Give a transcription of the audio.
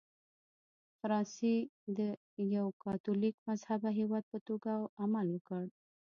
فرانسې د یوه کاتولیک مذهبه هېواد په توګه عمل وکړ.